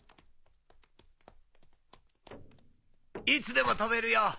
いつでも飛べるよ。